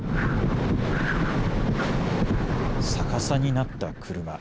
逆さになった車。